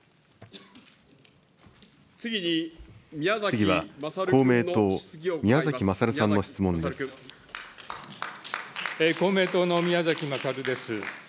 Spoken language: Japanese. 次は公明党、宮崎勝さんの質公明党の宮崎勝です。